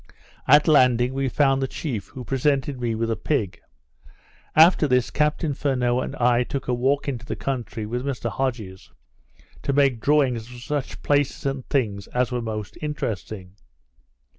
At landing, we found the chief, who presented me with a pig. After this, Captain Furneaux and I took a walk into the country, with Mr Hodges, to make drawings of such places and things as were most interesting.